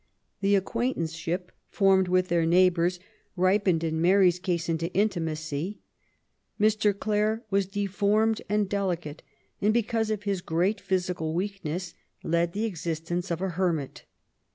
The acquaintanceship formed with their neighbours ripened in Mary's case into intimacy, Mr. Clare was deformed and delicate, and, because of his great physical weakness, led the existence of a hermit.